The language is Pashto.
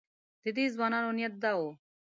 د دې ځوانانو نیت دا و.